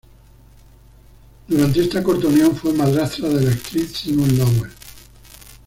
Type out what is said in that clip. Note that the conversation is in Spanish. Durante esta corta unión fue madrastra de la actriz Simone Lovell.